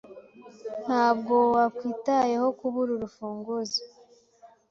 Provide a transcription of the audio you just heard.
Ntabwo wakwitayeho kubura urufunguzo.